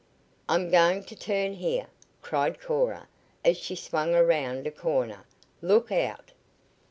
"I'm going to turn here!" cried Cora as she swung around a corner. "Look out!"